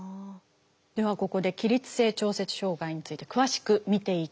ではここで起立性調節障害について詳しく見ていきます。